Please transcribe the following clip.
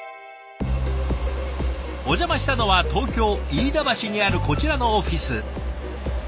お邪魔したのは東京・飯田橋にあるこちらのオフィス。